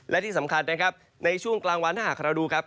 และที่สำคัญนะครับในช่วงกลางวันถ้าหากเราดูครับ